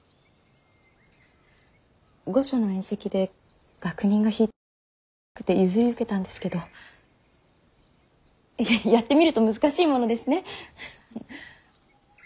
御所の宴席で楽人が弾いていたのがすばらしくて譲り受けたんですけどやってみると難しいものですね。